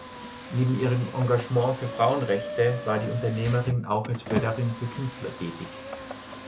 Neben ihrem Engagement für Frauenrechte war die Unternehmerin auch als Förderin für Künstler tätig.